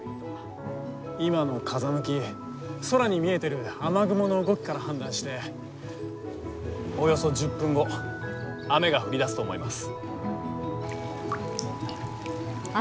今の風向き空に見えてる雨雲の動きから判断しておよそ１０分後雨が降りだすと思います。